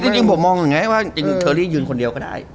จริงผมมองรู้ไงว่า